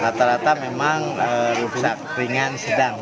rata rata memang lumpuh ringan sedang